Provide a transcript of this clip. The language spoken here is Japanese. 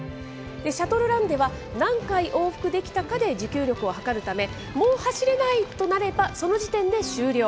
シャトルランでは、何回往復できたかで持久力を測るため、もう走れないとなれば、その時点で終了。